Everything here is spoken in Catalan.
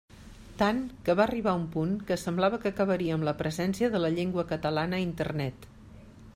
Tant, que va arribar un punt que semblava que acabaria amb la presència de la llengua catalana a Internet.